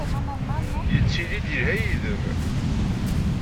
Yettili-d yelha yid-m?